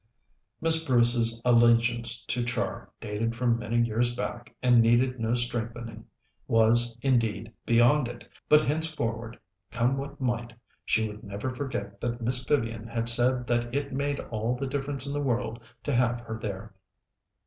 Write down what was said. Miss Bruce's allegiance to Char dated from many years back, and needed no strengthening was, indeed, beyond it; but henceforward, come what might, she would never forget that Miss Vivian had said that it made all the difference in the world to have her there.